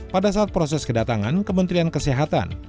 pada saat proses kedatangan kementerian kesehatan